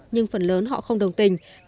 nhưng phần lớn họ không đồng tình